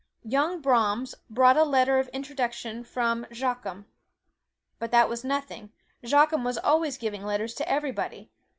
Young Brahms brought a letter of introduction from Joachim. But that was nothing Joachim was always giving letters to everybody.